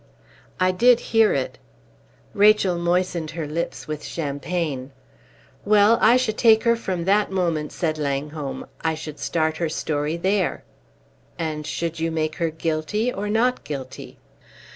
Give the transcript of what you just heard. "I did hear it." Rachel moistened her lips with champagne. "Well, I should take her from that moment," said Langholm. "I should start her story there." "And should you make her guilty or not guilty?"